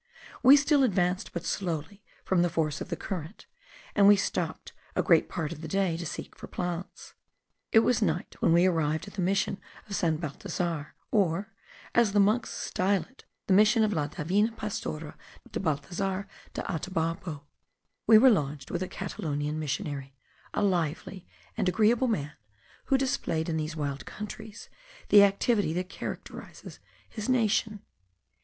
We still advanced but slowly from the force of the current, and we stopped a great part of the day to seek for plants. It was night when we arrived at the mission of San Balthasar, or, as the monks style it, the mission of la divina Pastora de Balthasar de Atabapo. We were lodged with a Catalonian missionary, a lively and agreeable man, who displayed in these wild countries the activity that characterises his nation.